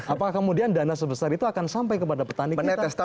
apakah kemudian dana sebesar itu akan sampai kepada petani kita